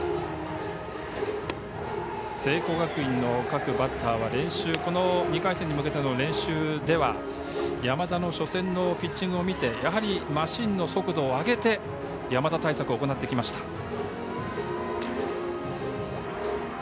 聖光学院の各バッターはこの２回戦に向けての練習では山田の初戦のピッチングを見てやはり、マシーンの速度を上げて山田対策を行ってきました。